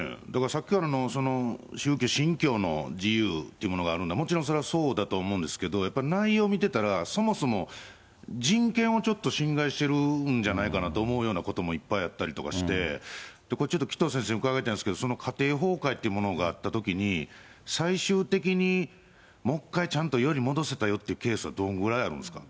さっきからの宗教、信教の自由というものがあるんで、もちろんそれはそうだと思うんですけれども、やっぱ内容見てたら、そもそも人権をちょっと侵害してるんじゃないかなと思うようなこともいっぱいあったりとかして、これちょっと紀藤先生に伺いたいんですけれども、その家庭崩壊みたいなのがあったときに、最終的にもう１回ちゃんと元に戻せたよというケースは、どんぐらいあるんですか。